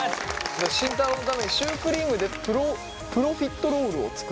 慎太郎のためにシュークリームでプロプロフィットロールを作ってみたということで。